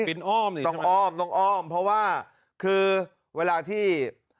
อ้อมนี่ต้องอ้อมต้องอ้อมเพราะว่าคือเวลาที่